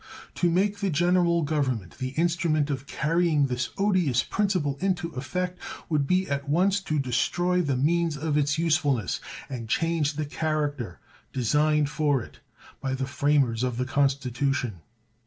To make the General Government the instrument of carrying this odious principle into effect would be at once to destroy the means of its usefulness and change the character designed for it by the framers of the Constitution.